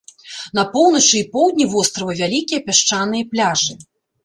На поўначы і поўдні вострава вялікія пясчаныя пляжы.